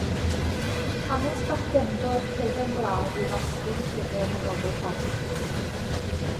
Hanes bachgendod cefn gwlad yw asgwrn cefn y nofel hon.